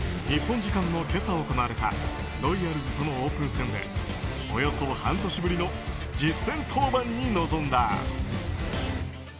日本時間の今朝行われたロイヤルズとのオープン戦でおよそ半年ぶりの実戦登板に臨んだ。